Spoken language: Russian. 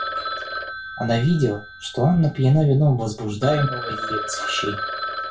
Она видела, что Анна пьяна вином возбуждаемого ею восхищения.